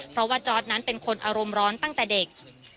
เพราะว่าจอร์ดนั้นเป็นคนอารมณ์ร้อนตั้งแต่เด็ก